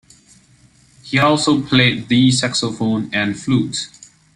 He also played the saxophone and flute.